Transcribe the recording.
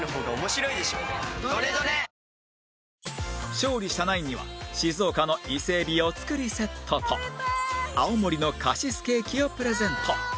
勝利したナインには静岡の伊勢海老お造りセットと青森のカシスケーキをプレゼント